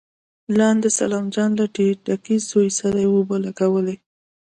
لاندې سلام جان له ټيټکي زوی سره اوبه لګولې.